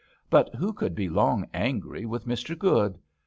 But who could be long angry with Mr. Good!